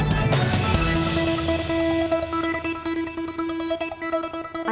terima kasih pak